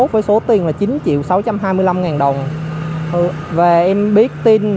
và em biết tin